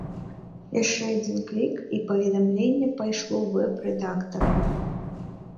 Яшчэ адзін клік, і паведамленне пайшло вэб-рэдактару.